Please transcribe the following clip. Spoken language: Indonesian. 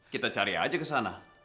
kita cari aja kesana